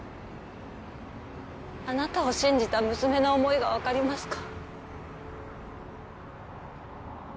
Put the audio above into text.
あなたを信じた娘の思いが分かりますか？